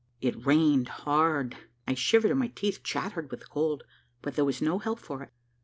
It rained hard; I shivered, and my teeth chattered with the cold, but there was no help for it.